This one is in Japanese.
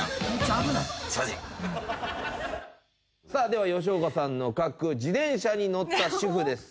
では吉岡さんの描く自転車に乗った主婦です。